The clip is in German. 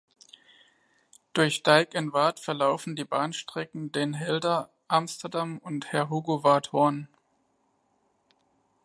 Durch Dijk en Waard verlaufen die Bahnstrecken Den Helder–Amsterdam und Heerhugowaard–Hoorn.